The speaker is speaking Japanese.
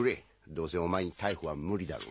どうせお前に逮捕は無理だろ。